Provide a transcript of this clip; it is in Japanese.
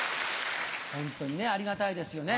本当にね、ありがたいですよね。